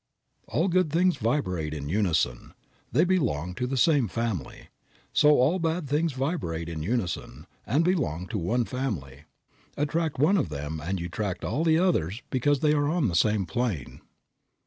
All good things vibrate in unison; they belong to the same family. So all bad things vibrate in unison, and belong to one family. Attract one of them and you attract all the others because they are on the same plane.